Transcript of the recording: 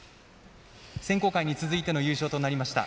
選考会に続いての優勝となりました。